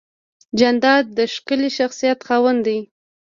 جانداد د ښکلي شخصیت خاوند دی.